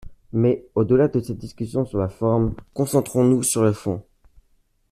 Mais, au-delà de cette discussion sur la forme, concentrons-nous sur le fond.